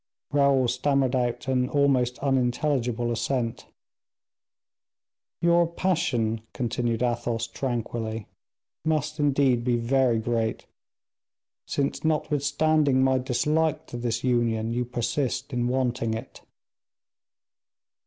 Raoul stammered out an almost unintelligible assent. "Your passion," continued Athos, tranquilly, "must indeed be very great, since, notwithstanding my dislike to this union, you persist in wanting it."